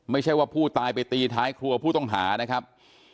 ไม่ใช่ว่าผู้ตายไปตีท้ายครัวผู้ต้องหานะครับ